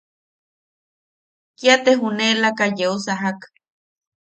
Kia te juneʼelaka yeu sajak.